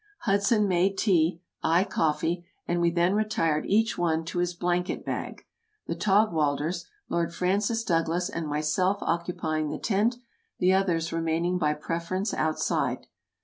Hudson made tea, I coffee, and we then retired each one to his blanket bag; the Taugwalders, Lord Francis Douglas and myself occupying the tent, the others remain ing by preference outside.